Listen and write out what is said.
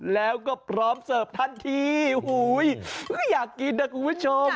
แล้วก็พร้อมเสิร์ฟทันทีโอ้โหก็อยากกินนะคุณผู้ชม